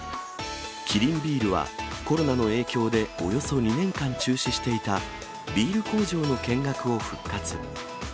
キリンビールは、コロナの影響でおよそ２年間中止していたビール工場の見学を復活。